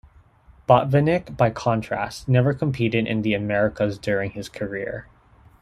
Botvinnik, by contrast, never competed in the Americas during his career.